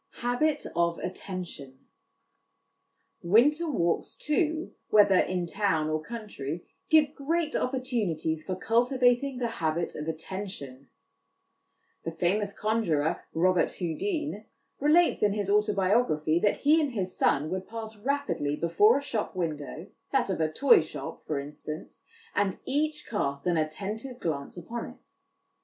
Habit of Attention. Winter walks, too, whether in town or country, give great opportunities for cultivating the habit of attention. The famous con jurer, Robert Houdin, relates in his autobiography, that he and his son would pass rapidly before a shop window, that of a toy shop, for instance, and each cast an attentive glance upon it.